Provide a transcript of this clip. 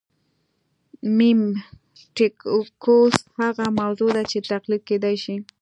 میمیټیکوس هغه موضوع ده چې تقلید کېدای شي